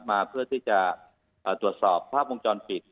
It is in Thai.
มาเพื่อที่จะตรวจสอบภาพวงจรปิด